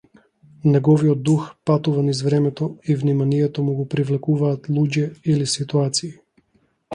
Неговиот дух патува низ времето и вниманието му го привлекуваат луѓе или ситуации.